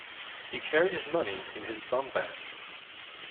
He carried his money in his bumbag